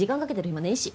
暇ねえし。